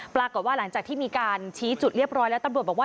ปรากฏว่าหลังจากที่มีการชี้จุดเรียบร้อยแล้วตำรวจบอกว่า